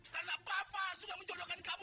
karena bapak sudah menjodohkan kamu